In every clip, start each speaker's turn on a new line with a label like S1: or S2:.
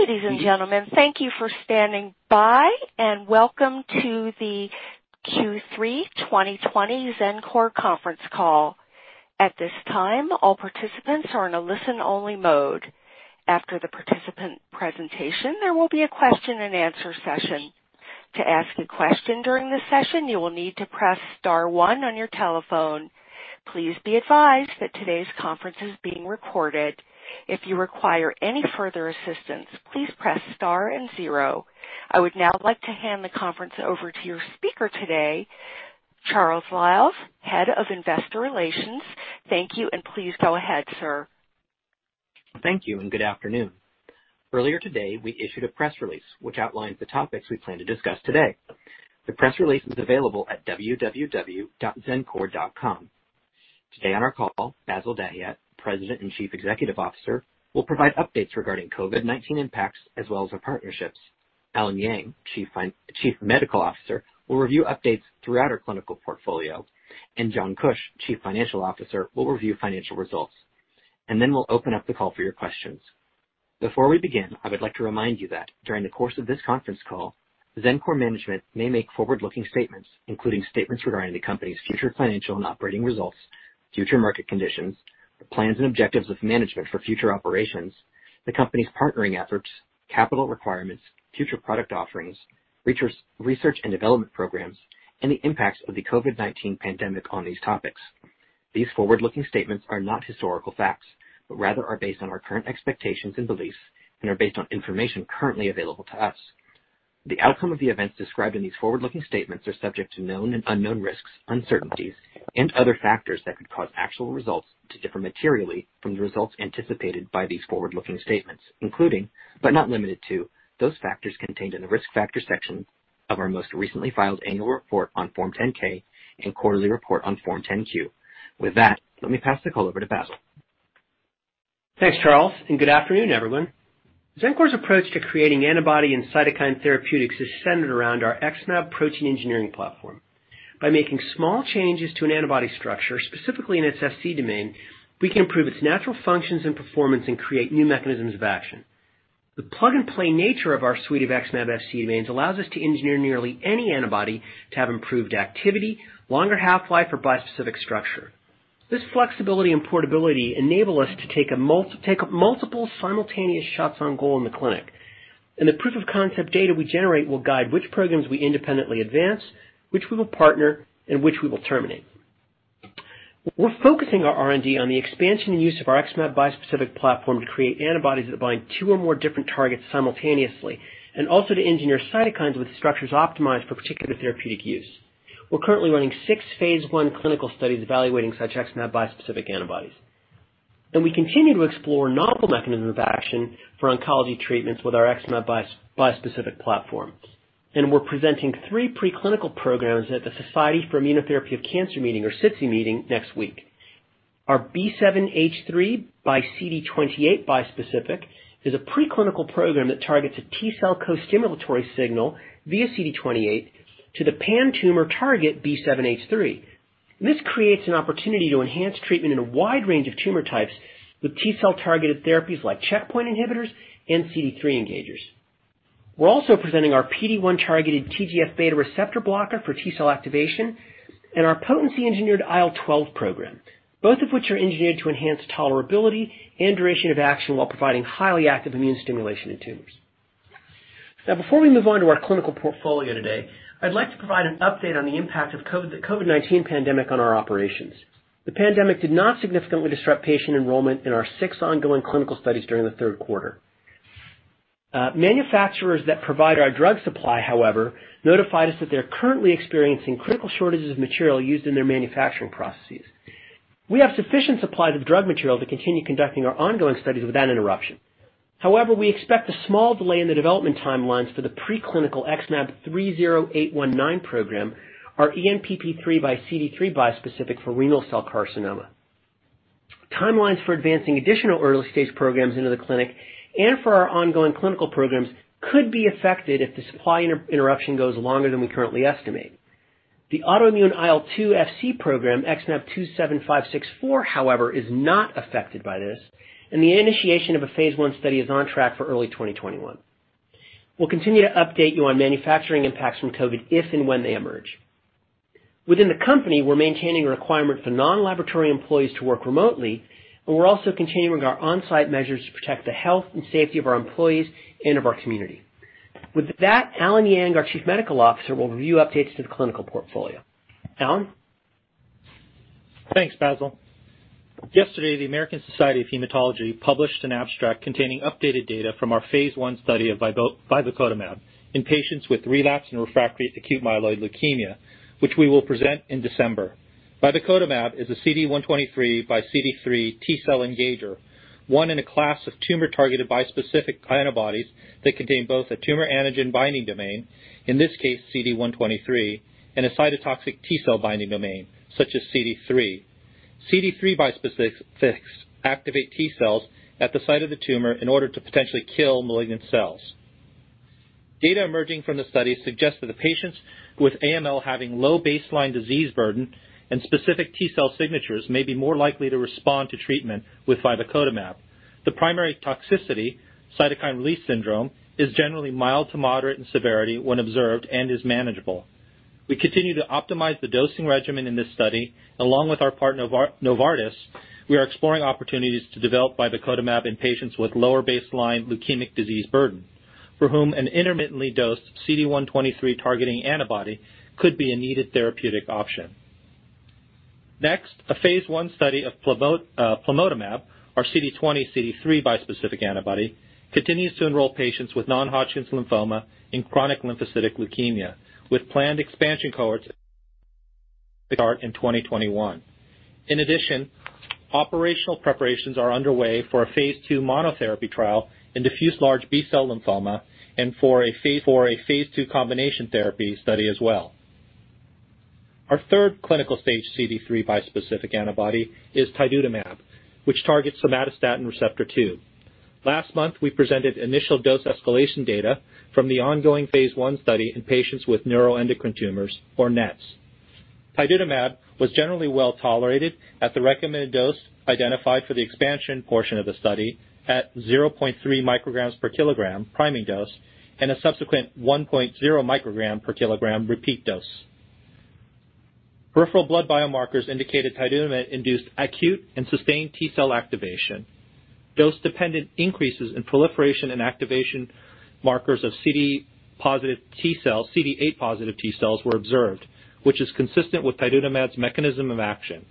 S1: Ladies and gentlemen, thank you for standing by and welcome to the Q3 2020 Xencor conference call. At this time, all participants are in a listen-only mode. After the participant presentation, there will be a question and answer session. To ask a question during the session, you will need to press star one on your telephone. Please be advised that today's conference is being recorded. If you require any further assistance, please press star and zero. I would now like to hand the conference over to your speaker today, Charles Liles, Head of Investor Relations. Thank you, and please go ahead, sir.
S2: Thank you, and good afternoon. Earlier today, we issued a press release which outlines the topics we plan to discuss today. The press release is available at www.xencor.com. Today on our call, Bassil Dahiyat, President and Chief Executive Officer, will provide updates regarding COVID-19 impacts as well as our partnerships. Allen Yang, Chief Medical Officer, will review updates throughout our clinical portfolio, and John Kuch, Chief Financial Officer, will review financial results. Then we'll open up the call for your questions. Before we begin, I would like to remind you that during the course of this conference call, Xencor management may make forward-looking statements, including statements regarding the company's future financial and operating results, future market conditions, plans and objectives of management for future operations, the company's partnering efforts, capital requirements, future product offerings, research and development programs, and the impacts of the COVID-19 pandemic on these topics. These forward-looking statements are not historical facts, but rather are based on our current expectations and beliefs and are based on information currently available to us. The outcome of the events described in these forward-looking statements are subject to known and unknown risks, uncertainties, and other factors that could cause actual results to differ materially from the results anticipated by these forward-looking statements, including, but not limited to, those factors contained in the risk factor section of our most recently filed annual report on Form 10-K and quarterly report on Form 10-Q. With that, let me pass the call over to Bassil.
S3: Thanks, Charles, and good afternoon, everyone. Xencor's approach to creating antibody and cytokine therapeutics is centered around our XmAb protein engineering platform. By making small changes to an antibody structure, specifically in its Fc domain, we can improve its natural functions and performance and create new mechanisms of action. The plug-and-play nature of our suite of XmAb Fc domains allows us to engineer nearly any antibody to have improved activity, longer half-life, or bispecific structure. This flexibility and portability enable us to take multiple simultaneous shots on goal in the clinic, and the proof of concept data we generate will guide which programs we independently advance, which we will partner, and which we will terminate. We're focusing our R&D on the expansion and use of our XmAb bispecific platform to create antibodies that bind two or more different targets simultaneously, and also to engineer cytokines with structures optimized for particular therapeutic use. We're currently running six phase I clinical studies evaluating such XmAb bispecific antibodies. We continue to explore novel mechanisms of action for oncology treatments with our XmAb bispecific platform. We're presenting three preclinical programs at the Society for Immunotherapy of Cancer meeting, or SITC meeting, next week. Our B7H3 by CD28 bispecific is a preclinical program that targets a T-cell costimulatory signal via CD28 to the pan-tumor target B7H3. This creates an opportunity to enhance treatment in a wide range of tumor types with T-cell-targeted therapies like checkpoint inhibitors and CD3 engagers. We're also presenting our PD-1-targeted TGF-beta receptor blocker for T-cell activation and our potency-engineered IL-12 program, both of which are engineered to enhance tolerability and duration of action while providing highly active immune stimulation in tumors. Before we move on to our clinical portfolio today, I'd like to provide an update on the impact of the COVID-19 pandemic on our operations. The pandemic did not significantly disrupt patient enrollment in our six ongoing clinical studies during the third quarter. Manufacturers that provide our drug supply, however, notified us that they're currently experiencing critical shortages of material used in their manufacturing processes. We have sufficient supplies of drug material to continue conducting our ongoing studies without interruption. However, we expect a small delay in the development timelines for the preclinical XmAb30819 program, our ENPP3 by CD3 bispecific for renal cell carcinoma. Timelines for advancing additional early-stage programs into the clinic and for our ongoing clinical programs could be affected if the supply interruption goes longer than we currently estimate. The autoimmune IL-2 FC program, XmAb27564, however, is not affected by this, and the initiation of a phase I study is on track for early 2021. We'll continue to update you on manufacturing impacts from COVID if and when they emerge. Within the company, we're maintaining a requirement for non-laboratory employees to work remotely, and we're also continuing with our on-site measures to protect the health and safety of our employees and of our community. With that, Allen Yang, our Chief Medical Officer, will review updates to the clinical portfolio. Allen?
S4: Thanks, Bassil. Yesterday, the American Society of Hematology published an abstract containing updated data from our phase I study of vibecotamab in patients with relapse and refractory acute myeloid leukemia, which we will present in December. Vibecotamab is a CD123 by CD3 T-cell engager, one in a class of tumor-targeted bispecific antibodies that contain both a tumor antigen-binding domain, in this case, CD123, and a cytotoxic T-cell binding domain, such as CD3. CD3 bispecifics activate T-cells at the site of the tumor in order to potentially kill malignant cells. Data emerging from the study suggests that the patients with AML having low baseline disease burden and specific T cell signatures may be more likely to respond to treatment with vibecotamab. The primary toxicity, cytokine release syndrome, is generally mild to moderate in severity when observed and is manageable. We continue to optimize the dosing regimen in this study. Along with our partner, Novartis, we are exploring opportunities to develop vibecotamab in patients with lower baseline leukemic disease burden, for whom an intermittently dosed CD123 targeting antibody could be a needed therapeutic option. Next, a phase I study of plamotamab, our CD20/CD3 bispecific antibody, continues to enroll patients with non-Hodgkin's lymphoma in chronic lymphocytic leukemia, with planned expansion cohorts to start in 2021. In addition, operational preparations are underway for a phase II monotherapy trial in diffuse large B-cell lymphoma and for a phase II combination therapy study as well. Our third clinical stage CD3 bispecific antibody is tidutamab, which targets somatostatin receptor 2. Last month, we presented initial dose escalation data from the ongoing phase I study in patients with neuroendocrine tumors, or NETs. Tidutamab was generally well-tolerated at the recommended dose identified for the expansion portion of the study at 0.3 micrograms per kilogram priming dose and a subsequent 1.0 microgram per kilogram repeat dose. Peripheral blood biomarkers indicated tidutamab induced acute and sustained T cell activation. Dose-dependent increases in proliferation and activation markers of CD positive T cells, CD8 positive T cells were observed, which is consistent with tidutamab's mechanism of action.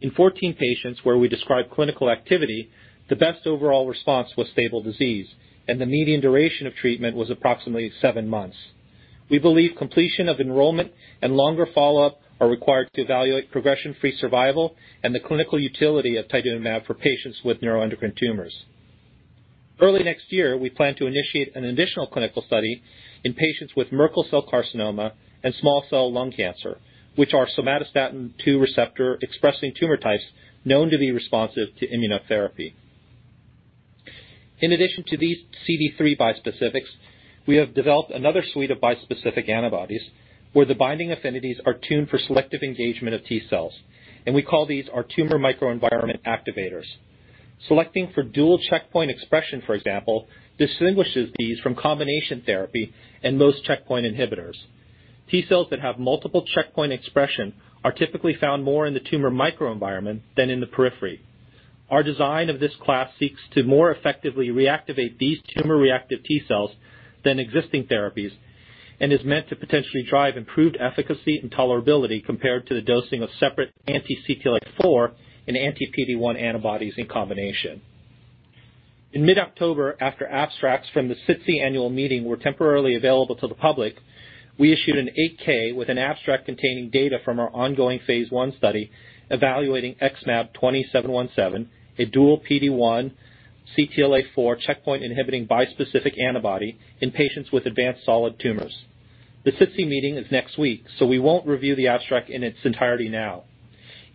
S4: In 14 patients where we describe clinical activity, the best overall response was stable disease, and the median duration of treatment was approximately seven months. We believe completion of enrollment and longer follow-up are required to evaluate progression-free survival and the clinical utility of tidutamab for patients with neuroendocrine tumors. Early next year, we plan to initiate an additional clinical study in patients with Merkel cell carcinoma and small cell lung cancer, which are somatostatin-2 receptor expressing tumor types known to be responsive to immunotherapy. In addition to these CD3 bispecifics, we have developed another suite of bispecific antibodies where the binding affinities are tuned for selective engagement of T cells, and we call these our tumor microenvironment activators. Selecting for dual checkpoint expression, for example, distinguishes these from combination therapy and most checkpoint inhibitors. T cells that have multiple checkpoint expression are typically found more in the tumor microenvironment than in the periphery. Our design of this class seeks to more effectively reactivate these tumor-reactive T cells than existing therapies and is meant to potentially drive improved efficacy and tolerability compared to the dosing of separate anti-CTLA-4 and anti-PD-1 antibodies in combination. In mid-October, after abstracts from the SITC annual meeting were temporarily available to the public, we issued an 8-K with an abstract containing data from our ongoing phase I study evaluating XmAb20717, a dual PD-1/CTLA-4 checkpoint inhibiting bispecific antibody in patients with advanced solid tumors. The SITC meeting is next week, we won't review the abstract in its entirety now.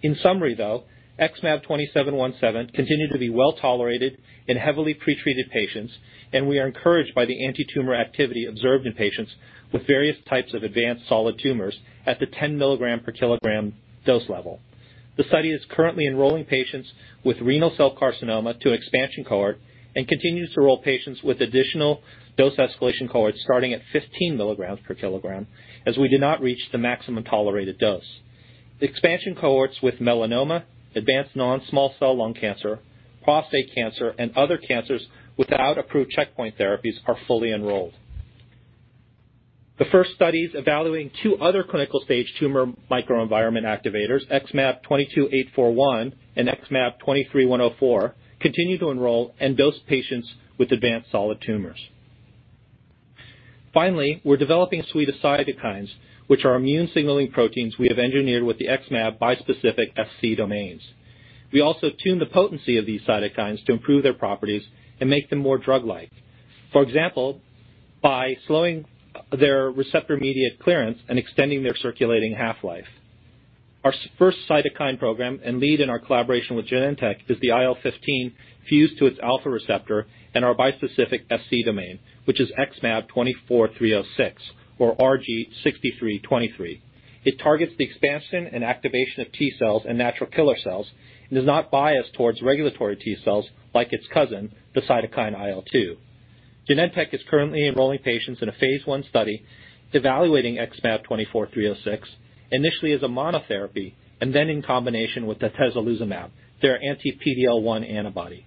S4: In summary though, XmAb20717 continued to be well-tolerated in heavily pretreated patients, and we are encouraged by the antitumor activity observed in patients with various types of advanced solid tumors at the 10 milligram per kilogram dose level. The study is currently enrolling patients with renal cell carcinoma to expansion cohort and continues to enroll patients with additional dose escalation cohorts starting at 15 milligrams per kilogram, as we did not reach the maximum tolerated dose. The expansion cohorts with melanoma, advanced non-small cell lung cancer, prostate cancer, and other cancers without approved checkpoint therapies are fully enrolled. The first studies evaluating two other clinical stage tumor microenvironment activators, XmAb22841 and XmAb23104, continue to enroll and dose patients with advanced solid tumors. Finally, we're developing a suite of cytokines, which are immune signaling proteins we have engineered with the XmAb bispecific Fc domains. We also tune the potency of these cytokines to improve their properties and make them more drug-like. For example, by slowing their receptor-mediated clearance and extending their circulating half-life. Our first cytokine program and lead in our collaboration with Genentech is the IL-15 fused to its alpha receptor and our bispecific FC domain, which is XmAb24306, or RG6323. It targets the expansion and activation of T cells and natural killer cells and is not biased towards regulatory T cells like its cousin, the cytokine IL-2. Genentech is currently enrolling patients in a phase I study evaluating XmAb24306, initially as a monotherapy and then in combination with atezolizumab, their anti-PD-L1 antibody.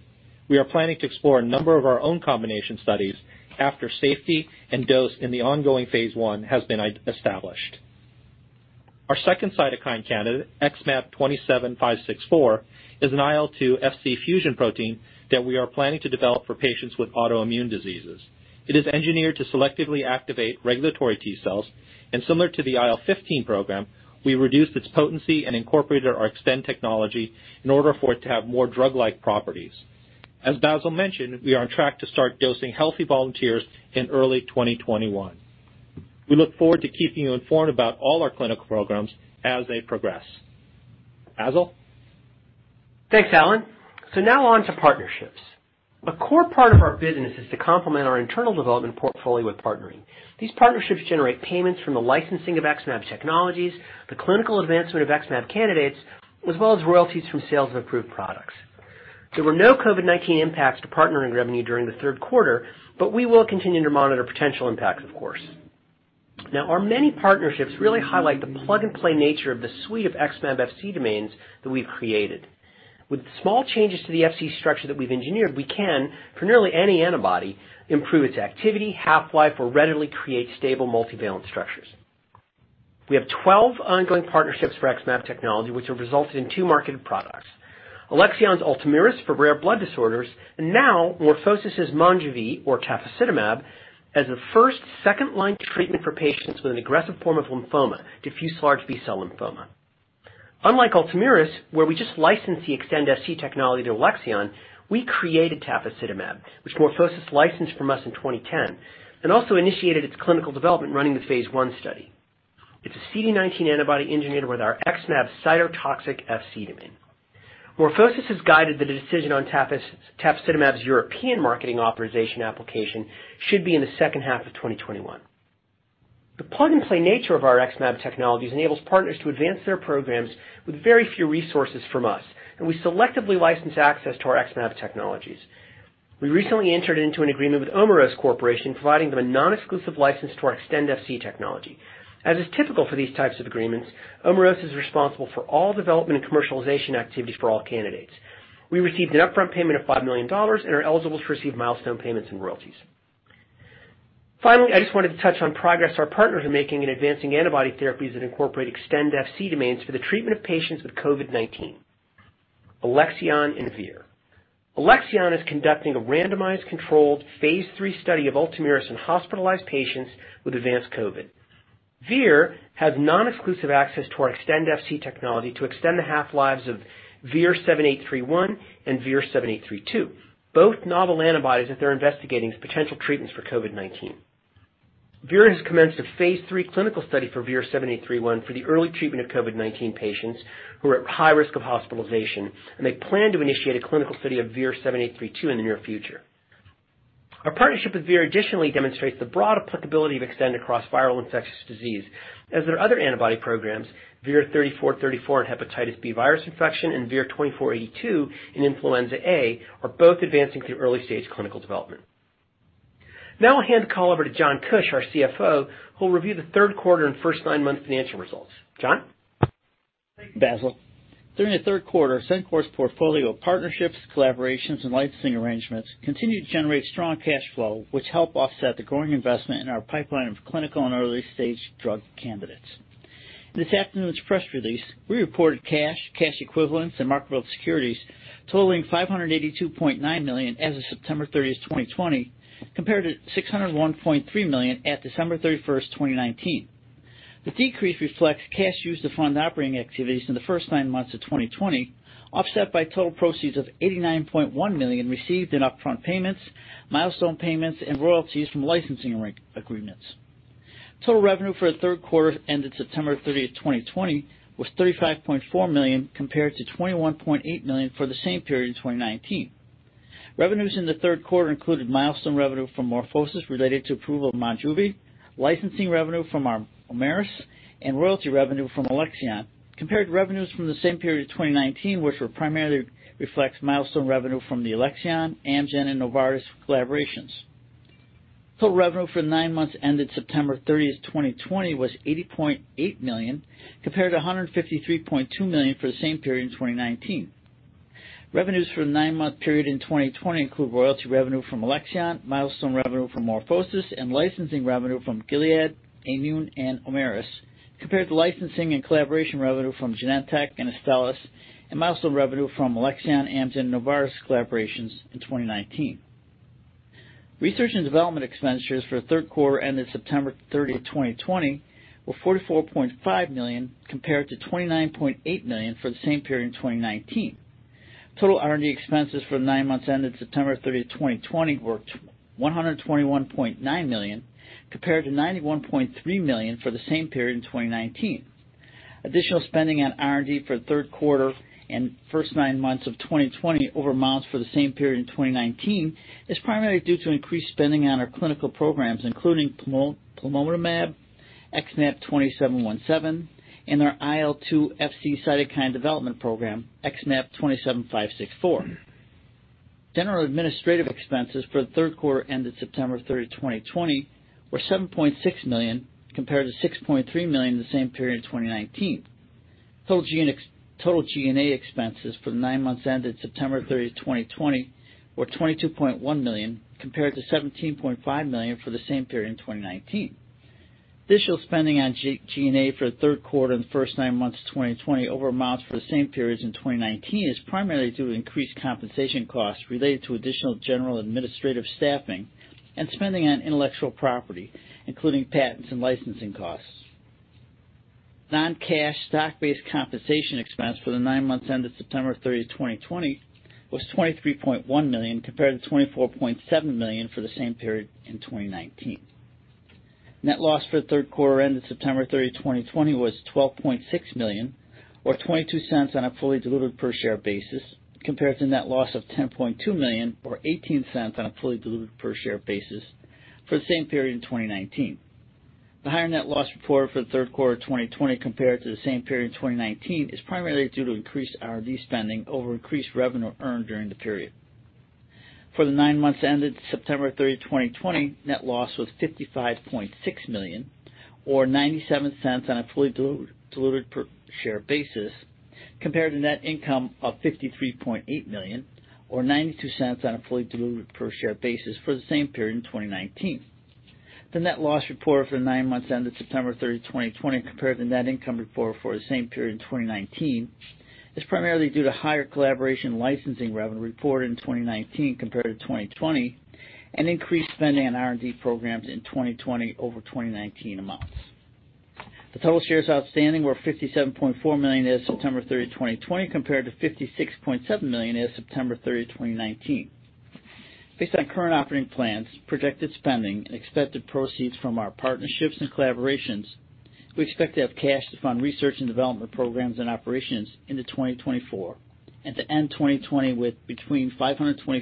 S4: We are planning to explore a number of our own combination studies after safety and dose in the ongoing phase I has been established. Our second cytokine candidate, XmAb27564, is an IL-2 FC fusion protein that we are planning to develop for patients with autoimmune diseases. Similar to the IL-15 program, we reduced its potency and incorporated our Xtend technology in order for it to have more drug-like properties. As Bassil mentioned, we are on track to start dosing healthy volunteers in early 2021. We look forward to keeping you informed about all our clinical programs as they progress. Bassil?
S3: Thanks, Allen. Now on to partnerships. A core part of our business is to complement our internal development portfolio with partnering. These partnerships generate payments from the licensing of XmAb technologies, the clinical advancement of XmAb candidates, as well as royalties from sales of approved products. There were no COVID-19 impacts to partnering revenue during the third quarter, but we will continue to monitor potential impacts, of course. Our many partnerships really highlight the plug-and-play nature of the suite of XmAb FC domains that we've created. With small changes to the FC structure that we've engineered, we can, for nearly any antibody, improve its activity, half-life, or readily create stable multivalent structures. We have 12 ongoing partnerships for XmAb technology, which have resulted in two marketed products. Alexion's Ultomiris for rare blood disorders. Now MorphoSys's Monjuvi, or tafasitamab, as a first second-line treatment for patients with an aggressive form of lymphoma, diffuse large B-cell lymphoma. Unlike Ultomiris, where we just licensed the Xtend Fc technology to Alexion, we created tafasitamab, which MorphoSys licensed from us in 2010. Also initiated its clinical development running the phase I study. It's a CD19 antibody engineered with our XmAb cytotoxic Fc domain. MorphoSys has guided the decision on tafasitamab's European Marketing Authorization Application should be in the second half of 2021. The plug-and-play nature of our XmAb technologies enables partners to advance their programs with very few resources from us. We selectively license access to our XmAb technologies. We recently entered into an agreement with Omeros Corporation, providing them a non-exclusive license to our Xtend Fc technology. As is typical for these types of agreements, Omeros is responsible for all development and commercialization activities for all candidates. We received an upfront payment of $5 million and are eligible to receive milestone payments and royalties. Finally, I just wanted to touch on progress our partners are making in advancing antibody therapies that incorporate Xtend FC domains for the treatment of patients with COVID-19. Alexion and Vir. Alexion is conducting a randomized controlled phase III study of Ultomiris in hospitalized patients with advanced COVID. Vir has non-exclusive access to our Xtend FC technology to extend the half-lives of VIR-7831 and VIR-7832, both novel antibodies that they're investigating as potential treatments for COVID-19. Vir has commenced a phase III clinical study for VIR-7831 for the early treatment of COVID-19 patients who are at high risk of hospitalization. They plan to initiate a clinical study of VIR-7832 in the near future. Our partnership with Vir additionally demonstrates the broad applicability of Xtend across viral infectious disease, as their other antibody programs, VIR-3434 in hepatitis B virus infection and VIR-2482 in influenza A, are both advancing through early-stage clinical development. I'll hand the call over to John Kuch, our CFO, who will review the third quarter and first nine-month financial results. John?
S5: Thank you, Bassil. During the third quarter, Xencor's portfolio of partnerships, collaborations, and licensing arrangements continued to generate strong cash flow, which help offset the growing investment in our pipeline of clinical and early-stage drug candidates. In this afternoon's press release, we reported cash equivalents, and marketable securities totaling $582.9 million as of September 30, 2020, compared to $601.3 million at December 31, 2019. The decrease reflects cash used to fund operating activities in the first nine months of 2020, offset by total proceeds of $89.1 million received in upfront payments, milestone payments, and royalties from licensing agreements. Total revenue for the third quarter ended September 30, 2020, was $35.4 million compared to $21.8 million for the same period in 2019. Revenues in the third quarter included milestone revenue from MorphoSys related to approval of Monjuvi, licensing revenue from Omeros, and royalty revenue from Alexion. Compared revenues from the same period of 2019, which were primarily reflects milestone revenue from the Alexion, Amgen, and Novartis collaborations. Total revenue for the nine months ended September 30, 2020, was $80.8 million, compared to $153.2 million for the same period in 2019. Revenues for the nine-month period in 2020 include royalty revenue from Alexion, milestone revenue from MorphoSys, and licensing revenue from Gilead, Aimmune, and Omeros, compared to licensing and collaboration revenue from Genentech and Astellas, and milestone revenue from Alexion, Amgen, and Novartis collaborations in 2019. Research and development expenditures for the third quarter ended September 30, 2020, were $44.5 million compared to $29.8 million for the same period in 2019. Total R&D expenses for the nine months ended September 30th, 2020, were $121.9 million, compared to $91.3 million for the same period in 2019. Additional spending on R&D for the third quarter and first nine months of 2020 over amounts for the same period in 2019 is primarily due to increased spending on our clinical programs, including plamotamab, XmAb20717, and our IL-2 FC cytokine development program, XmAb27564. General administrative expenses for the third quarter ended September thirtieth, 2020, were $7.6 million, compared to $6.3 million in the same period in 2019. Total G&A expenses for the nine months ended September thirtieth, 2020, were $22.1 million, compared to $17.5 million for the same period in 2019. Additional spending on G&A for the third quarter and the first nine months of 2020 over amounts for the same periods in 2019 is primarily due to increased compensation costs related to additional general administrative staffing and spending on intellectual property, including patents and licensing costs. Non-cash stock-based compensation expense for the nine months ended September 30, 2020, was $23.1 million compared to $24.7 million for the same period in 2019. Net loss for the third quarter ended September 30, 2020, was $12.6 million, or $0.22 on a fully diluted per share basis, compared to net loss of $10.2 million or $0.18 on a fully diluted per share basis for the same period in 2019. The higher net loss reported for the third quarter of 2020 compared to the same period in 2019 is primarily due to increased R&D spending over increased revenue earned during the period. For the nine months ended September 30, 2020, net loss was $55.6 million, or $0.97 on a fully diluted per share basis, compared to net income of $53.8 million or $0.92 on a fully diluted per share basis for the same period in 2019. The net loss reported for the nine months ended September 30, 2020, compared to net income reported for the same period in 2019 is primarily due to higher collaboration licensing revenue reported in 2019 compared to 2020, and increased spending on R&D programs in 2020 over 2019 amounts. The total shares outstanding were 57.4 million as of September 30, 2020, compared to 56.7 million as of September 30, 2019. Based on current operating plans, projected spending, and expected proceeds from our partnerships and collaborations, we expect to have cash to fund research and development programs and operations into 2024, and to end 2020 with between $525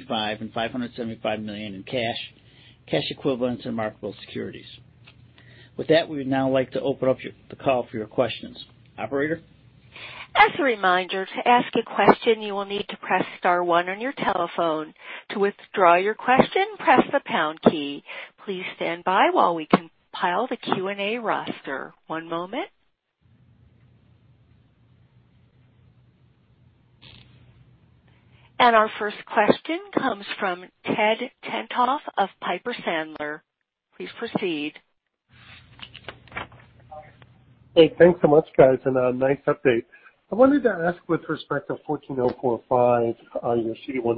S5: million and $575 million in cash equivalents, and marketable securities. With that, we would now like to open up the call for your questions. Operator?
S1: As a reminder, to ask a question, you will need to press star one on your telephone. To withdraw your question, press the pound key. Please stand by while we compile the Q&A roster. One moment. Our first question comes from Ted Tenthoff of Piper Sandler. Please proceed.
S6: Hey, thanks so much, guys, and nice update. I wanted to ask with respect to XmAb14045, your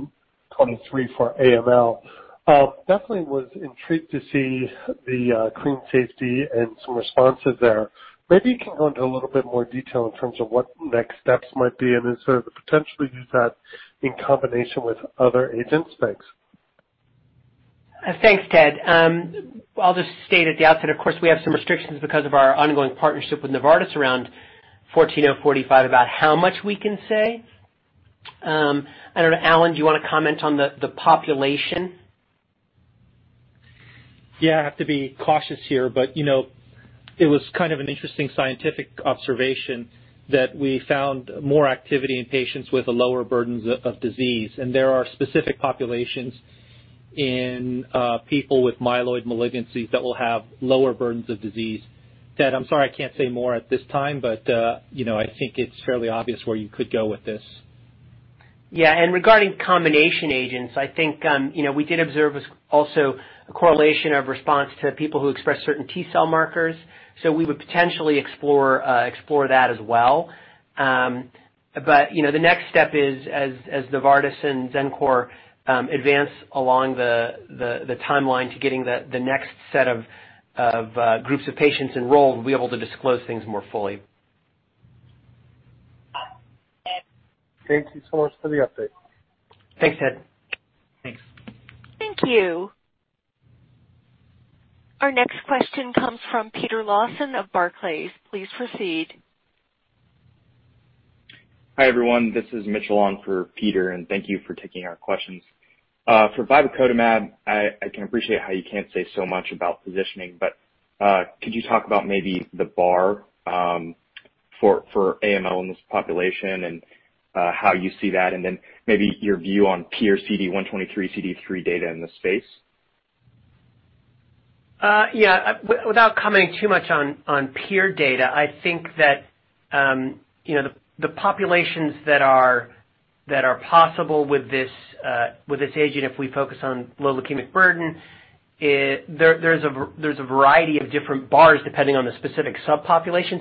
S6: CD123 for AML. Definitely was intrigued to see the clean safety and some responses there. Maybe you can go into a little bit more detail in terms of what next steps might be and then sort of potentially do that in combination with other agent specs?
S3: Thanks, Ted. I'll just state at the outset, of course, we have some restrictions because of our ongoing partnership with Novartis around XmAb14045 about how much we can say. I don't know, Allen, do you want to comment on the population?
S4: Yeah, I have to be cautious here, but it was kind of an interesting scientific observation that we found more activity in patients with a lower burdens of disease, and there are specific populations in people with myeloid malignancies that will have lower burdens of disease. Ted, I'm sorry I can't say more at this time, but I think it's fairly obvious where you could go with this.
S3: Yeah. Regarding combination agents, I think we did observe also a correlation of response to people who express certain T cell markers, so we would potentially explore that as well. The next step is as Novartis and Xencor advance along the timeline to getting the next set of groups of patients enrolled, we'll be able to disclose things more fully.
S6: Thank you so much for the update.
S3: Thanks, Ted.
S4: Thanks.
S1: Thank you. Our next question comes from Peter Lawson of Barclays. Please proceed.
S7: Hi, everyone. This is Mitchell on for Peter, and thank you for taking our questions. For vibecotamab, I can appreciate how you can't say so much about positioning, but could you talk about maybe the bar for AML in this population and how you see that, and then maybe your view on peer CD123/CD3 data in the space?
S3: Yeah. Without commenting too much on peer data, I think that the populations that are possible with this agent, if we focus on low leukemic burden, there's a variety of different bars depending on the specific subpopulation.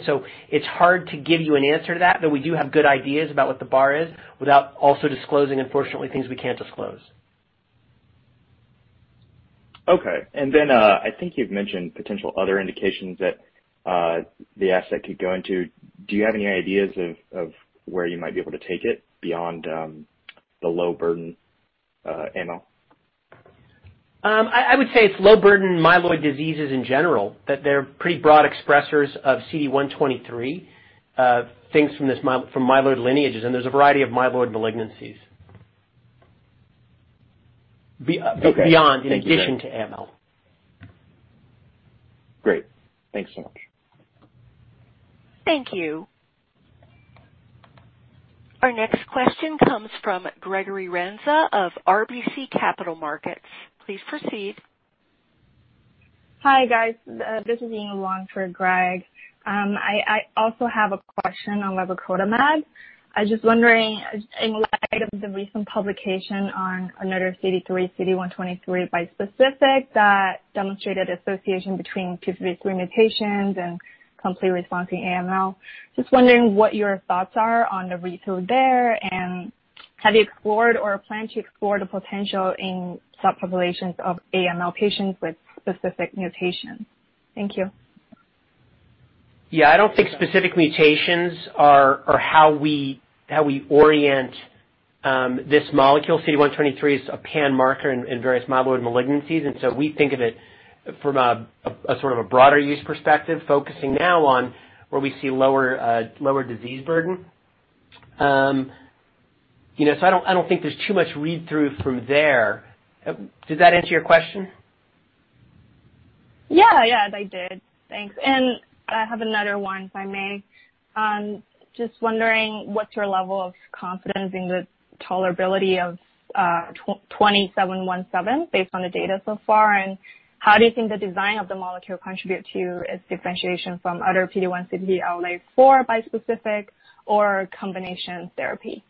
S3: It's hard to give you an answer to that, but we do have good ideas about what the bar is without also disclosing, unfortunately, things we can't disclose.
S7: Okay. I think you've mentioned potential other indications that the asset could go into. Do you have any ideas of where you might be able to take it beyond the low burden AML?
S3: I would say it's low burden myeloid diseases in general, that they're pretty broad expressers of CD123, things from myeloid lineages, and there's a variety of myeloid malignancies.
S7: Okay.
S3: Beyond, in addition to AML.
S7: Great. Thanks so much.
S1: Thank you. Our next question comes from Gregory Renza of RBC Capital Markets. Please proceed.
S8: Hi, guys. This is Ying Wang for Greg. I also have a question on vibecotamab. I was just wondering, in light of the recent publication on another CD3/CD123 bispecific that demonstrated association between (two three mutations) and complete response to AML, just wondering what your thoughts are on the read-through there, and have you explored or plan to explore the potential in subpopulations of AML patients with specific mutations? Thank you.
S3: Yeah, I don't think specific mutations are how we orient this molecule. CD123 is a pan marker in various myeloid malignancies, and so we think of it from a broader use perspective, focusing now on where we see lower disease burden. I don't think there's too much read-through from there. Does that answer your question?
S8: Yeah, they did. Thanks. I have another one, if I may. Just wondering what's your level of confidence in the tolerability of XmAb20717 based on the data so far, and how do you think the design of the molecule contributes to its differentiation from other PD-1, CTLA-4 bispecific or combination therapy?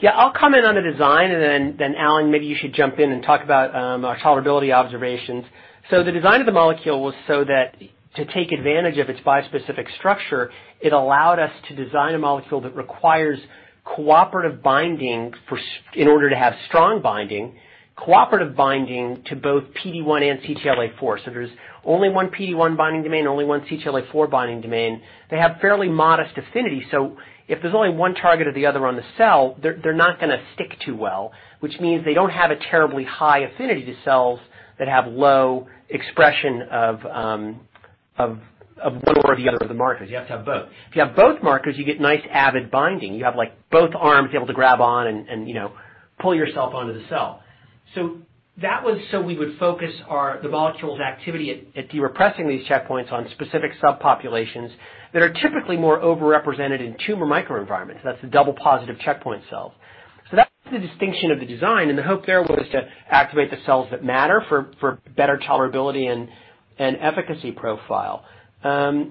S3: Yeah, I'll comment on the design, and then, Allen, maybe you should jump in and talk about our tolerability observations. The design of the molecule was so that to take advantage of its bispecific structure, it allowed us to design a molecule that requires cooperative binding in order to have strong binding, cooperative binding to both PD-1 and CTLA-4. There's only one PD-1 binding domain, only one CTLA-4 binding domain. They have fairly modest affinity, so if there's only one target or the other on the cell, they're not going to stick too well, which means they don't have a terribly high affinity to cells that have low expression of one or the other of the markers. You have to have both. If you have both markers, you get nice avid binding. You have both arms able to grab on and pull yourself onto the cell. That was so we would focus the molecule's activity at de-repressing these checkpoints on specific subpopulations that are typically more over-represented in tumor microenvironments. That's the double positive checkpoint cells. That's the distinction of the design, and the hope there was to activate the cells that matter for better tolerability and efficacy profile. That's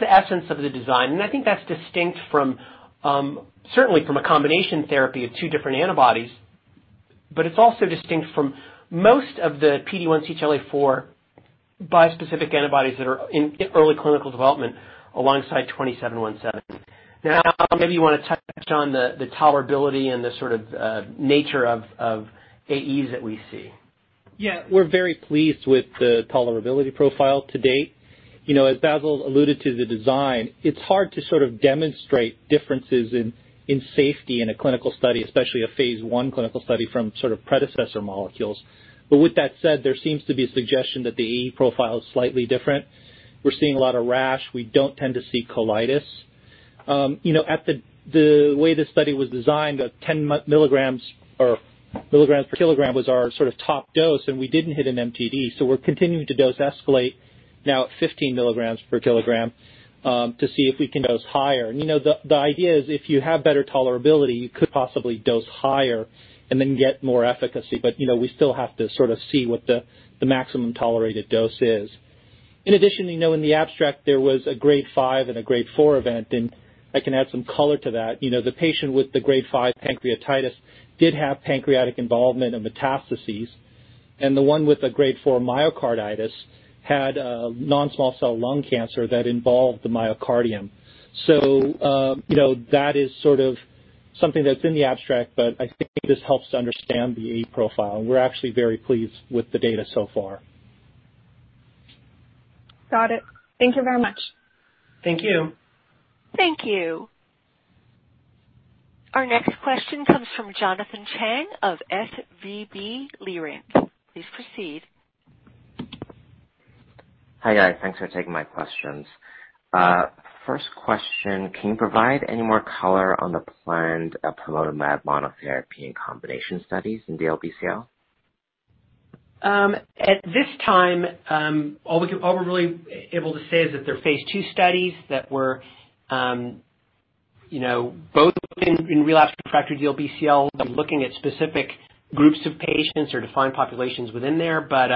S3: the essence of the design, and I think that's distinct certainly from a combination therapy of two different antibodies, but it's also distinct from most of the PD-1/CTLA-4 bispecific antibodies that are in early clinical development alongside 20717. Allen, maybe you want to touch on the tolerability and the nature of AEs that we see.
S4: Yeah. We're very pleased with the tolerability profile to date. As Bassil alluded to the design, it's hard to demonstrate differences in safety in a clinical study, especially a phase I clinical study from predecessor molecules. With that said, there seems to be a suggestion that the AE profile is slightly different. We're seeing a lot of rash, we don't tend to see colitis. The way the study was designed, the 10 milligrams per kilogram was our top dose, and we didn't hit an MTD, so we're continuing to dose escalate now at 15 milligrams per kilogram, to see if we can dose higher. The idea is if you have better tolerability, you could possibly dose higher and then get more efficacy. We still have to see what the maximum tolerated dose is. In addition, in the abstract, there was a Grade 5 and a Grade 4 event. I can add some color to that. The patient with the Grade 5 pancreatitis did have pancreatic involvement and metastases, and the one with the Grade 4 myocarditis had a non-small cell lung cancer that involved the myocardium. That is something that's in the abstract, but I think this helps to understand the AE profile. We're actually very pleased with the data so far.
S8: Got it. Thank you very much.
S3: Thank you.
S1: Thank you. Our next question comes from Jonathan Chang of SVB Leerink. Please proceed.
S9: Hi, guys. Thanks for taking my questions. First question, can you provide any more color on the planned plamotamab monotherapy and combination studies in DLBCL?
S3: At this time, all we're really able to say is that they're phase II studies that were both in relapsed/refractory DLBCL and looking at specific groups of patients or defined populations within there, but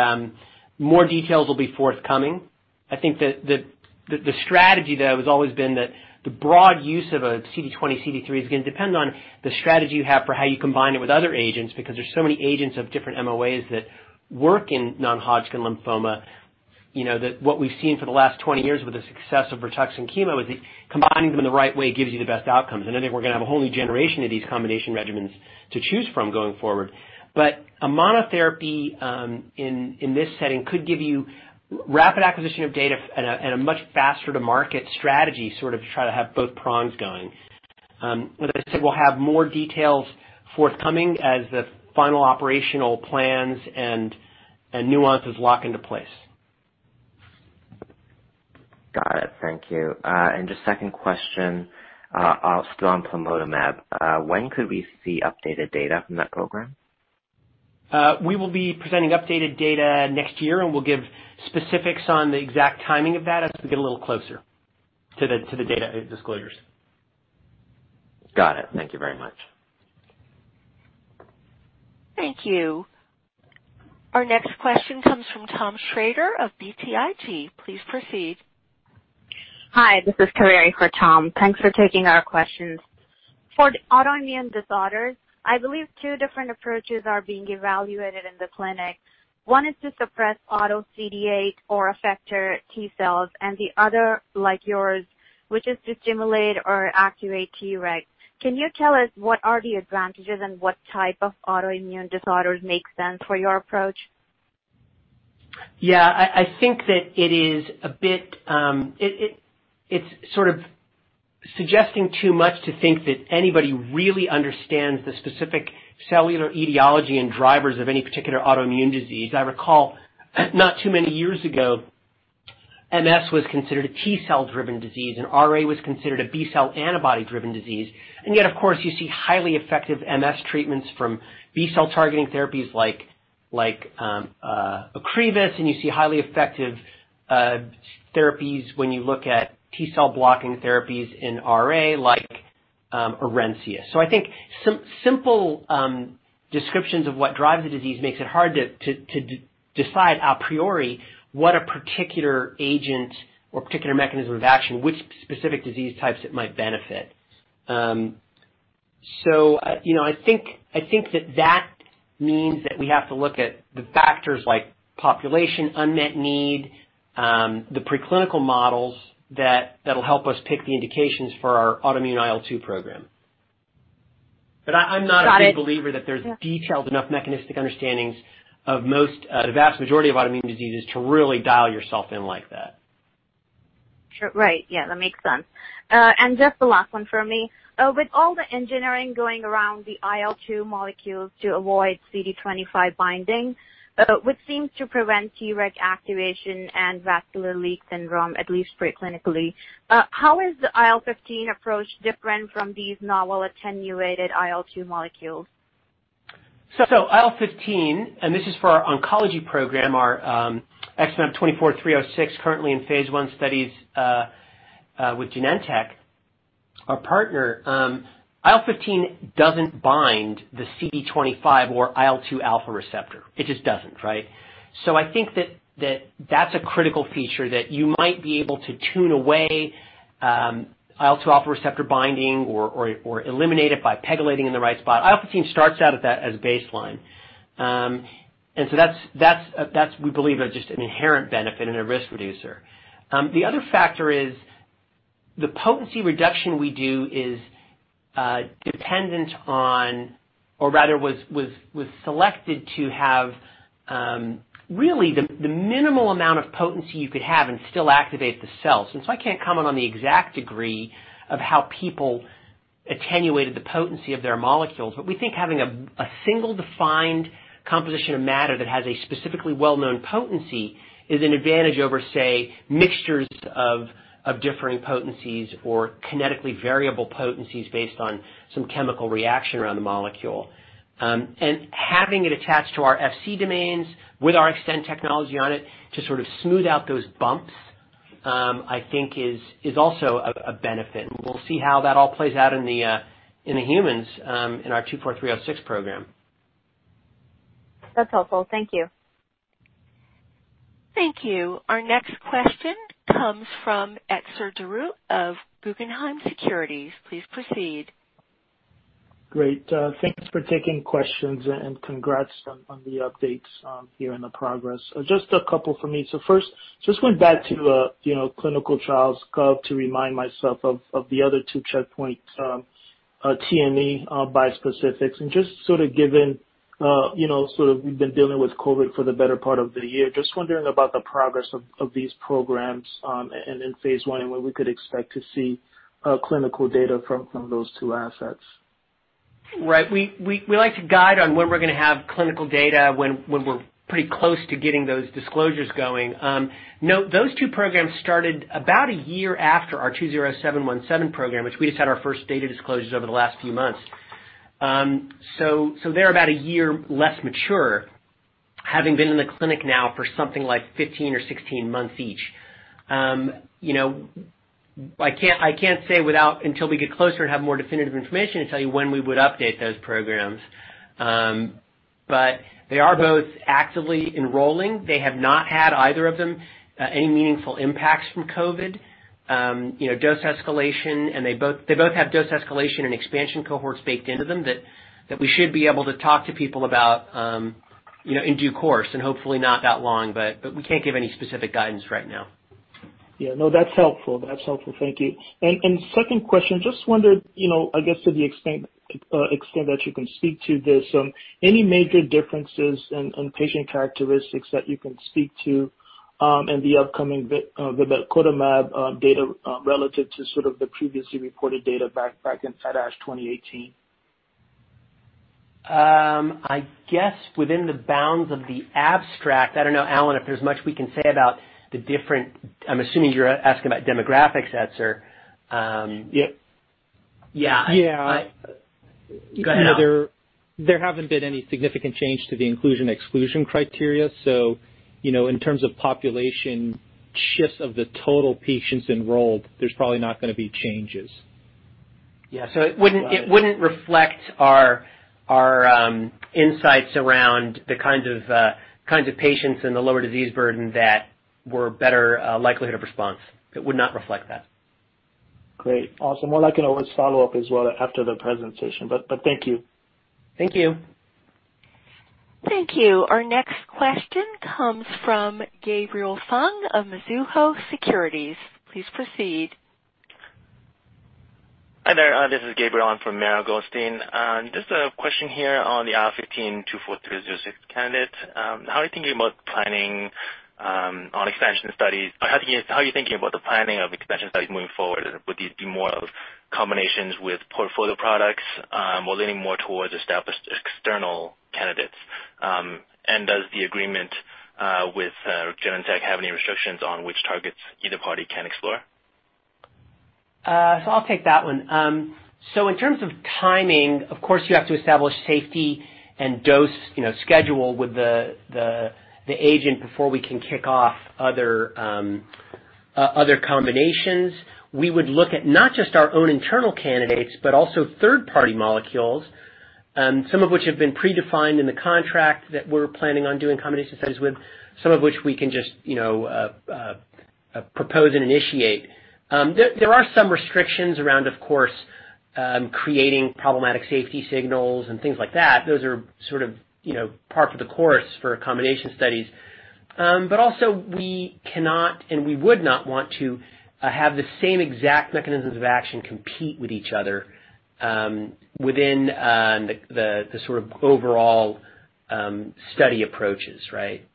S3: more details will be forthcoming. I think that the strategy, though, has always been that the broad use of a CD20/CD3 is going to depend on the strategy you have for how you combine it with other agents, because there's so many agents of different MOAs that work in non-Hodgkin lymphoma. What we've seen for the last 20 years with the success of Rituxan chemo is that combining them in the right way gives you the best outcomes. I think we're going to have a whole new generation of these combination regimens to choose from going forward. A monotherapy in this setting could give you rapid acquisition of data and a much faster-to-market strategy to try to have both prongs going. As I said, we'll have more details forthcoming as the final operational plans and nuances lock into place.
S9: Got it, thank you. Just second question, still on plamotamab. When could we see updated data from that program?
S3: We will be presenting updated data next year, and we'll give specifics on the exact timing of that as we get a little closer to the data disclosures.
S9: Got it, thank you very much.
S1: Thank you. Our next question comes from Tom Shrader of BTIG. Please proceed.
S10: Hi. This is Kaori for Tom. Thanks for taking our questions. For autoimmune disorders, I believe two different approaches are being evaluated in the clinic. One is to suppress auto CD8 or effector T cells. The other, like yours, which is to stimulate or activate T reg. Can you tell us what are the advantages and what type of autoimmune disorders make sense for your approach?
S3: Yeah, I think that it's sort of suggesting too much to think that anybody really understands the specific cellular etiology and drivers of any particular autoimmune disease. I recall not too many years ago, MS was considered a T-cell driven disease, and RA was considered a B-cell antibody driven disease. Yet, of course, you see highly effective MS treatments from B-cell targeting therapies like Ocrevus, and you see highly effective therapies when you look at T-cell blocking therapies in RA, like Orencia. I think simple descriptions of what drives the disease makes it hard to decide a priori what a particular agent or particular mechanism of action, which specific disease types it might benefit. I think that means that we have to look at the factors like population unmet need, the preclinical models that'll help us pick the indications for our autoimmune IL-2 program. But I'm not-
S10: Got it.
S3: a big believer that there's detailed enough mechanistic understandings of the vast majority of autoimmune diseases to really dial yourself in like that.
S10: Sure, right. Yeah, that makes sense. Just the last one from me. With all the engineering going around the IL-2 molecules to avoid CD25 binding, which seems to prevent Treg activation and vascular leak syndrome, at least pre-clinically, how is the IL-15 approach different from these novel attenuated IL-2 molecules?
S3: IL-15, and this is for our oncology program, our XmAb24306, currently in phase I studies with Genentech, our partner. IL-15 doesn't bind the CD25 or IL-2 alpha receptor. It just doesn't. I think that's a critical feature that you might be able to tune away IL-2 alpha receptor binding or eliminate it by pegylating in the right spot. IL-15 starts out as baseline. That's, we believe, just an inherent benefit and a risk reducer. The other factor is the potency reduction we do is dependent on, or rather, was selected to have really the minimal amount of potency you could have and still activate the cells. I can't comment on the exact degree of how people attenuated the potency of their molecules, but we think having a single defined composition of matter that has a specifically well-known potency is an advantage over, say, mixtures of differing potencies or kinetically variable potencies based on some chemical reaction around the molecule. Having it attached to our FC domains with our Xtend technology on it to sort of smooth out those bumps, I think is also a benefit, and we'll see how that all plays out in the humans, in our 24306 program.
S10: That's helpful. Thank you.
S1: Thank you. Our next question comes from Etzer Darout of Guggenheim Securities. Please proceed.
S11: Great. Thanks for taking questions, and congrats on the updates here and the progress. Just a couple from me. First, just went back to ClinicalTrials.gov to remind myself of the other two checkpoint TME bispecifics. Just sort of given we've been dealing with COVID for the better part of the year, just wondering about the progress of these programs, and in phase I, and when we could expect to see clinical data from those two assets.
S3: Right. We like to guide on when we're going to have clinical data, when we're pretty close to getting those disclosures going. Note, those two programs started about a year after our XmAb20717 program, which we just had our first data disclosures over the last few months. They're about a year less mature, having been in the clinic now for something like 15 or 16 months each. I can't say until we get closer and have more definitive information to tell you when we would update those programs. They are both actively enrolling. They have not had, either of them, any meaningful impacts from COVID-19. They both have dose escalation and expansion cohorts baked into them that we should be able to talk to people about in due course, and hopefully not that long, but we can't give any specific guidance right now.
S11: Yeah, no, that's helpful. That's helpful thank you. Second question, just wondered, I guess to the extent that you can speak to this, any major differences in patient characteristics that you can speak to in the upcoming vibecotamab data relative to sort of the previously reported data back in ASH 2018?
S3: I guess within the bounds of the abstract, I don't know, Allen, if there's much we can say about the different-- I'm assuming you're asking about demographics, Etzer.
S11: Yeah.
S3: Yeah. Go ahead, Allen.
S4: There haven't been any significant change to the inclusion/exclusion criteria, so in terms of population shifts of the total patients enrolled, there's probably not going to be changes.
S3: Yeah. It wouldn't reflect our insights around the kinds of patients in the lower disease burden that were better likelihood of response. It would not reflect that.
S11: Great. Awesome. Well, I can always follow up as well after the presentation, but thank you.
S3: Thank you.
S1: Thank you. Our next question comes from Gabriel Fung of Mizuho Securities. Please proceed.
S12: Hi there. This is Gabriel on for Mara Goldstein. Just a question here on the IL-15 24306 candidate. How are you thinking about the planning of expansion studies moving forward? Would these be more of combinations with portfolio products? Leaning more towards established external candidates? Does the agreement with Genentech have any restrictions on which targets either party can explore?
S3: I'll take that one. In terms of timing, of course, you have to establish safety and dose schedule with the agent before we can kick off other combinations. We would look at not just our own internal candidates, but also third-party molecules, some of which have been predefined in the contract that we're planning on doing combination studies with, some of which we can just propose and initiate. There are some restrictions around, of course, creating problematic safety signals and things like that. Those are par for the course for combination studies. Also we cannot, and we would not want to, have the same exact mechanisms of action compete with each other within the overall study approaches. Right?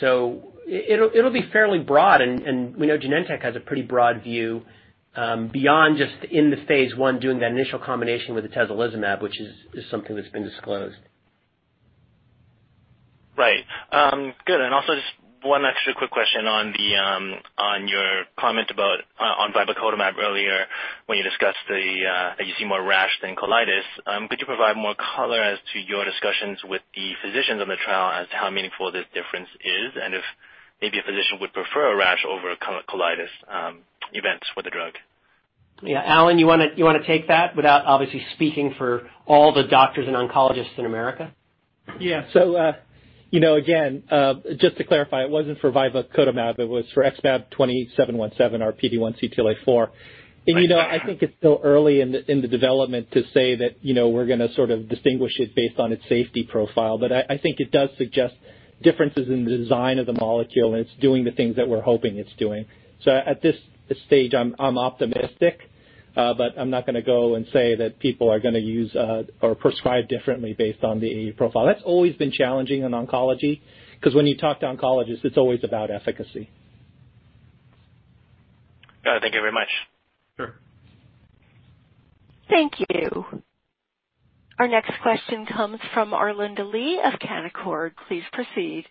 S3: It'll be fairly broad, and we know Genentech has a pretty broad view beyond just in the phase I, doing that initial combination with tesolizimab, which is something that's been disclosed.
S12: Right, good. Also, just one extra quick question on your comment about vibecotamab earlier, when you discussed that you see more rash than colitis. Could you provide more color as to your discussions with the physicians on the trial as to how meaningful this difference is, and if maybe a physician would prefer a rash over colitis events for the drug?
S3: Yeah. Allen, you want to take that without obviously speaking for all the doctors and oncologists in America?
S4: Yeah. Again, just to clarify, it wasn't for vibecotamab, it was for XmAb20717, our PD-1 CTLA-4.
S12: Right.
S4: I think it's still early in the development to say that we're going to sort of distinguish it based on its safety profile. I think it does suggest differences in the design of the molecule, and it's doing the things that we're hoping it's doing. At this stage, I'm optimistic, but I'm not going to go and say that people are going to use or prescribe differently based on the AE profile. That's always been challenging in oncology, because when you talk to oncologists, it's always about efficacy.
S12: Got it. Thank you very much.
S4: Sure.
S1: Thank you. Our next question comes from Arlinda Lee of Canaccord. Please proceed.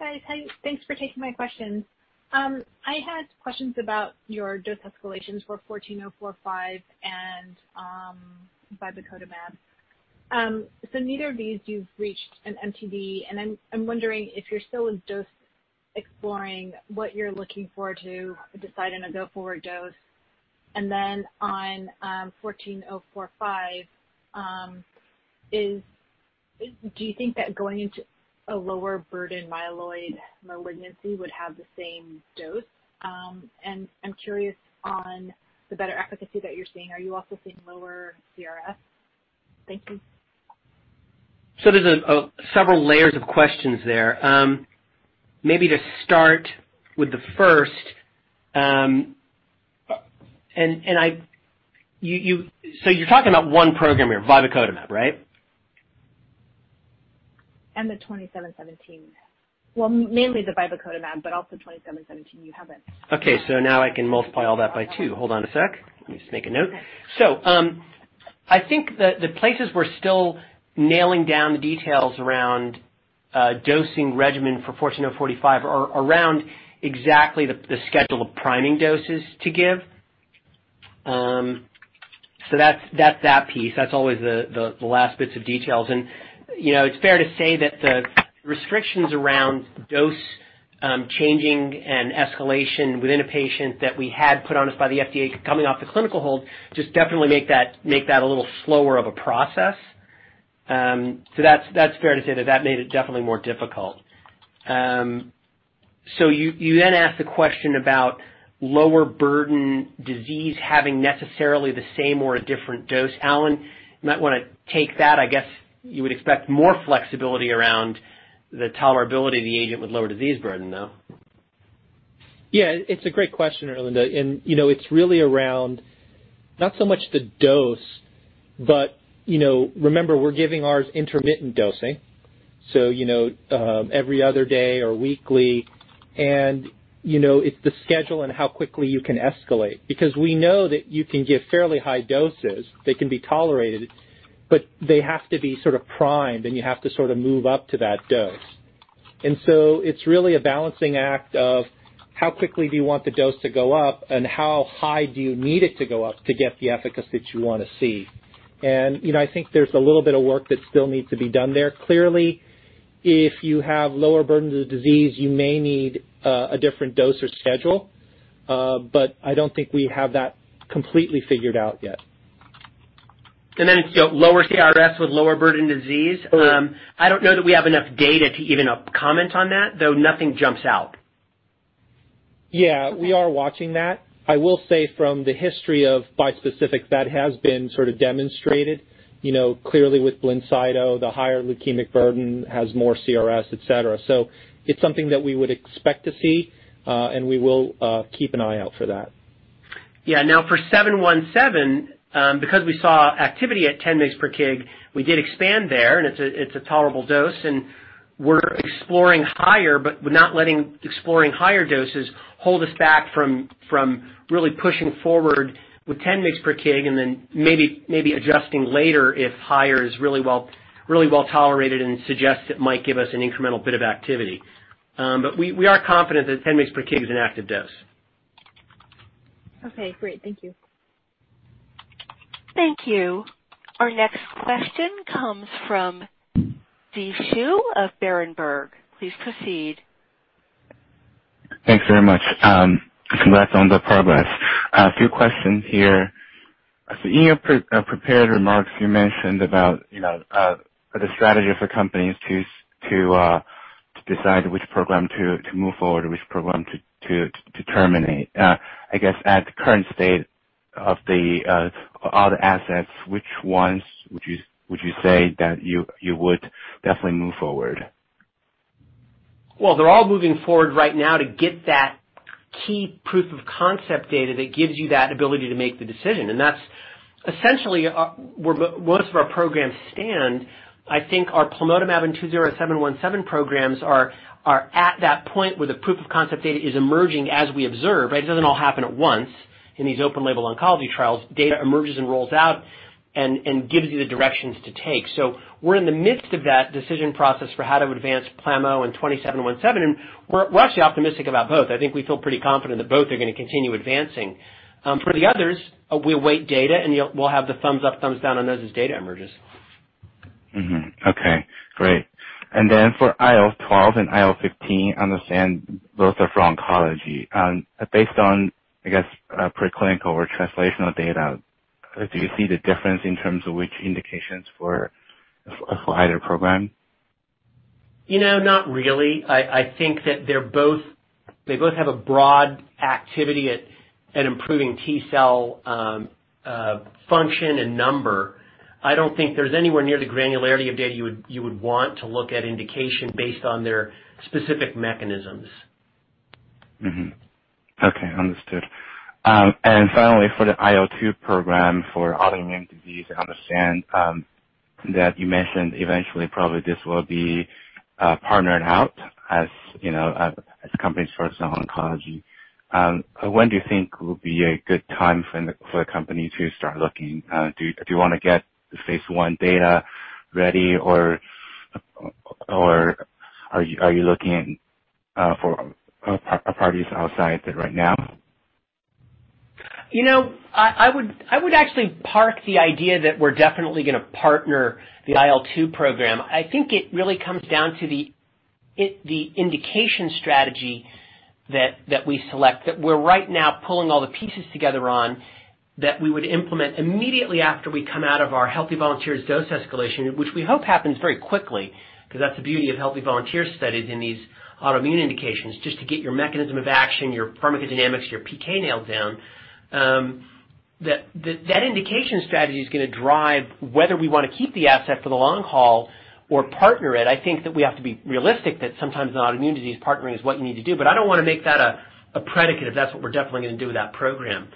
S13: Hi. Thanks for taking my questions. I had questions about your dose escalations for XmAb14045 and vibecotamab. Neither of these you've reached an MTD, and I'm wondering if you're still in dose exploring, what you're looking for to decide on a go-forward dose. On XmAb14045, do you think that going into a lower burden myeloid malignancy would have the same dose? I'm curious on the better efficacy that you're seeing. Are you also seeing lower CRS? Thank you.
S3: There's several layers of questions there. Maybe to start with the first, you're talking about one program here, vibecotamab, right?
S13: The 20717. Well, mainly the vibecotamab, also 20717. You haven't.
S3: Okay. Now I can multiply all that by two. Hold on a sec. Let me just make a note.
S13: Okay.
S3: I think the places we're still nailing down the details around dosing regimen for XmAb14045 are around exactly the schedule of priming doses to give. That's that piece. That's always the last bits of details. It's fair to say that the restrictions around dose changing and escalation within a patient that we had put on us by the FDA coming off the clinical hold just definitely make that a little slower of a process. That's fair to say, that that made it definitely more difficult. You then asked the question about lower burden disease having necessarily the same or a different dose. Allen, you might want to take that. I guess you would expect more flexibility around the tolerability of the agent with lower disease burden, though.
S4: Yeah. It's a great question, Arlinda. It's really around not so much the dose, but remember, we're giving ours intermittent dosing, so every other day or weekly, and it's the schedule and how quickly you can escalate. We know that you can give fairly high doses that can be tolerated, but they have to be sort of primed, and you have to sort of move up to that dose. It's really a balancing act of how quickly do you want the dose to go up and how high do you need it to go up to get the efficacy that you want to see. I think there's a little bit of work that still needs to be done there. Clearly, if you have lower burdens of disease, you may need a different dose or schedule. I don't think we have that completely figured out yet.
S3: Lower CRS with lower burden disease.
S4: Sure.
S3: I don't know that we have enough data to even comment on that, though nothing jumps out.
S4: Yeah. We are watching that. I will say from the history of bispecific, that has been sort of demonstrated, clearly with BLINCYTO, the higher leukemic burden has more CRS, et cetera. It's something that we would expect to see, and we will keep an eye out for that.
S3: For 717, because we saw activity at 10 mg per kg, we did expand there, and it's a tolerable dose, and we're exploring higher, but we're not letting exploring higher doses hold us back from really pushing forward with 10 mg per kg and then maybe adjusting later if higher is really well-tolerated and suggests it might give us an incremental bit of activity. We are confident that 10 mg per kg is an active dose.
S13: Okay, great. Thank you.
S1: Thank you. Our next question comes from Zhi Shu of Berenberg. Please proceed.
S14: Thanks very much. Congrats on the progress. A few questions here. In your prepared remarks, you mentioned about the strategy for companies to decide which program to move forward and which program to terminate. I guess at the current state of all the assets, which ones would you say that you would definitely move forward?
S3: Well, they're all moving forward right now to get that key proof of concept data that gives you that ability to make the decision. That's essentially where most of our programs stand. I think our plamotamab and 20717 programs are at that point where the proof of concept data is emerging as we observe, right? It doesn't all happen at once in these open label oncology trials. Data emerges and rolls out and gives you the directions to take. We're in the midst of that decision process for how to advance plamotamab and 20717, and we're actually optimistic about both. I think we feel pretty confident that both are going to continue advancing. For the others, we await data, and we'll have the thumbs up, thumbs down on those as data emerges.
S14: Okay, great. For IL-12 and IL-15, I understand both are for oncology. Based on, I guess, preclinical or translational data, do you see the difference in terms of which indications for a slider program?
S3: Not really. I think that they both have a broad activity at improving T-cell function and number. I don't think there's anywhere near the granularity of data you would want to look at indication based on their specific mechanisms.
S14: Mm-hmm. Okay, understood. Finally, for the IL-2 program for autoimmune disease, I understand that you mentioned eventually probably this will be partnered out as companies focus on oncology. When do you think will be a good time for the company to start looking? Do you want to get the phase I data ready, or are you looking for parties outside right now?
S3: I would actually park the idea that we're definitely gonna partner the IL-2 program. I think it really comes down to the indication strategy that we select, that we're right now pulling all the pieces together on, that we would implement immediately after we come out of our healthy volunteers dose escalation, which we hope happens very quickly, because that's the beauty of healthy volunteer studies in these autoimmune indications, just to get your mechanism of action, your pharmacodynamics, your PK nailed down. That indication strategy is gonna drive whether we want to keep the asset for the long haul or partner it. I think that we have to be realistic that sometimes in autoimmune disease, partnering is what you need to do. I don't want to make that a predicate, if that's what we're definitely going to do with that program.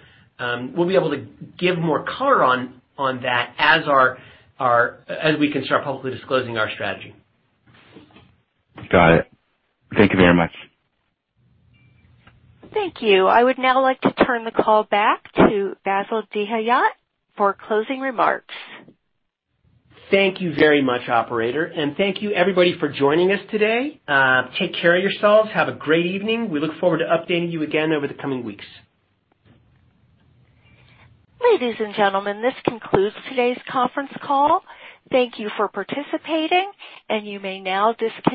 S3: We'll be able to give more color on that as we can start publicly disclosing our strategy.
S14: Got it. Thank you very much.
S1: Thank you. I would now like to turn the call back to Bassil Dahiyat for closing remarks.
S3: Thank you very much, operator, and thank you everybody for joining us today. Take care of yourselves. Have a great evening. We look forward to updating you again over the coming weeks.
S1: Ladies and gentlemen, this concludes today's conference call. Thank you for participating, and you may now disconnect.